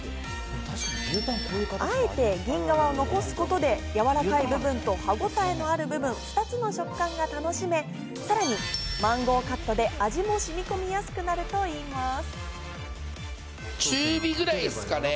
あえて銀皮を残すことで、やわらかい部分と歯ごたえのある部分の２つの食感が楽しめ、さらにマンゴーカットで味も染み込みやすくなるといいます。